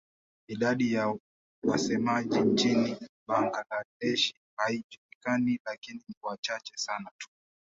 Idadi ya wasemaji nchini Bangladesh haijulikani lakini ni wachache sana tu.